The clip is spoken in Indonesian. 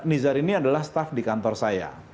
nizar ini adalah staff di kantor saya